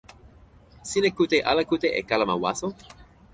sina kute ala kute e kalama waso?